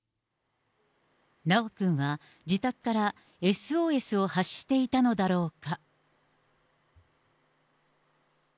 修くんは自宅からＳＯＳを発していたのだろうか。